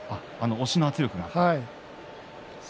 押しの圧力が。